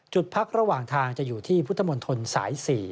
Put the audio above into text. พักระหว่างทางจะอยู่ที่พุทธมนตรสาย๔